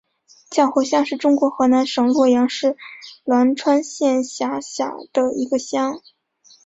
叫河乡是中国河南省洛阳市栾川县下辖的一个乡。